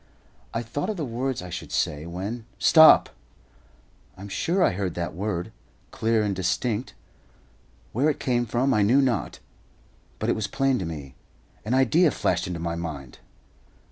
I thought of the words I should say, when "STOP!" I am sure I heard that word, clear and distinct. Where it came from I knew not; but it was plain to me. An idea flashed into my mind!